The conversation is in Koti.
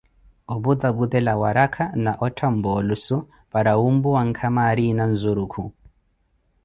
oputaputela warakha na ottha mpoolusu, para wumpuwa nkama ariina nzurukhu.